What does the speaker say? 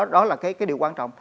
đó là cái điều quan trọng